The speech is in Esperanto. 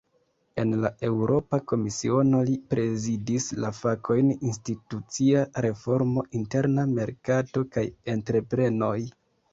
En la Eŭropa Komisiono, li prezidis la fakojn "institucia reformo, interna merkato kaj entreprenoj".